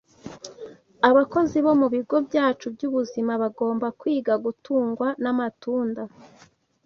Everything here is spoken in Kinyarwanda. Abakozi bo mu bigo byacu by’ubuzima bagomba kwiga gutungwa n’amatunda